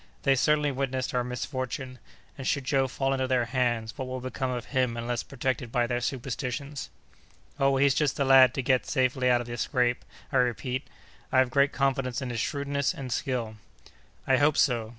They certainly witnessed our misfortune, and should Joe fall into their hands, what will become of him unless protected by their superstitions?" "Oh, he's just the lad to get safely out of the scrape, I repeat. I have great confidence in his shrewdness and skill." "I hope so.